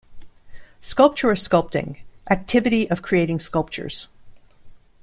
Sculpture or sculpting - activity of creating sculptures.